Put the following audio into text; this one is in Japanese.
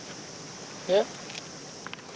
えっ？